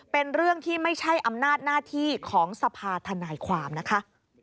เป็นเรื่องที่ไม่ใช่อำนาจหน้าที่ของสภาธนายความนะคะ